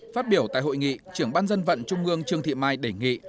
phát biểu tại hội nghị trưởng ban dân vận trung ương trương thị mai đề nghị